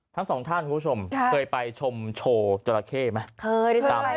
ทั้งสองท่านคุณผู้ชมเคยไปชมโชว์จราเข้ไหมเคยได้